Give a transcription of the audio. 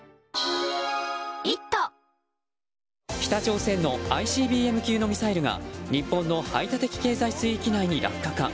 北朝鮮のＩＣＢＭ級のミサイルが日本の排他的経済水域内に落下か。